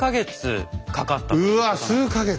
うわ数か月！